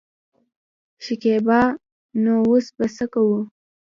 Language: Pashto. شکيبا : نو اوس به څه کوو.